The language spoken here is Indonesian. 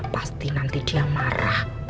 pasti nanti dia marah